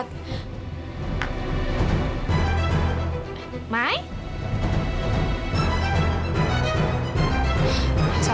terima kasih bu